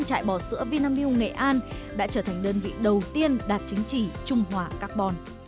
các nhà máy sữa và chai bò sữa vinamilk nghệ an đã trở thành đơn vị đầu tiên đạt chính trị trung hòa carbon